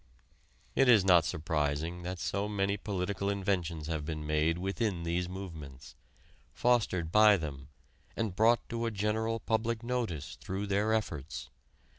It is not surprising that so many political inventions have been made within these movements, fostered by them, and brought to a general public notice through their efforts.